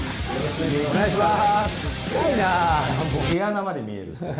お願いしまーす！